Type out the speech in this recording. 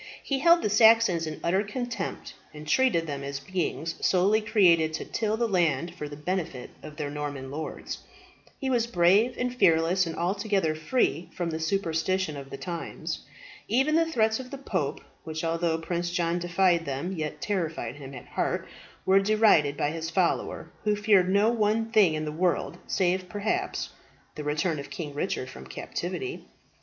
He held the Saxons in utter contempt, and treated them as beings solely created to till the land for the benefit of their Norman lords. He was brave and fearless, and altogether free from the superstition of the times. Even the threats of the pope, which although Prince John defied them yet terrified him at heart, were derided by his follower, who feared no one thing in the world, save, perhaps, the return of King Richard from captivity.